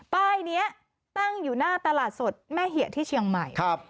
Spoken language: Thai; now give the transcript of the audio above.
ป้ายนี้ตั้งอยู่หน้าตลาดสดแม่เหี่ยที่เชียงใหม่